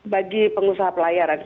bagi pengusaha pelayaran